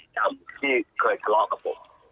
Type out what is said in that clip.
ที่เคยคลอกับผม